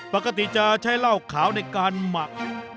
ปกติจะใช้เหล้าขาวในการหมัก